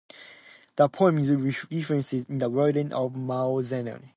The poem is referenced in the writings of Mao Zedong.